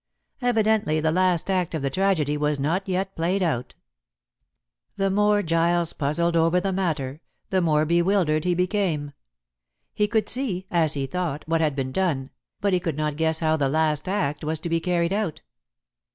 Evidently the last act of the tragedy was not yet played out. The more Giles puzzled over the matter, the more bewildered he became. He could see as he thought what had been done, but he could not guess how the last act was to be carried out.